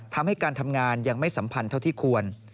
ทำให้การทำงานยังไม่สัมพันธ์เท่าที่ควร